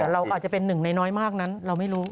เราอาจจะเป็นหนึ่งในน้อยมากนั้นเราไม่รู้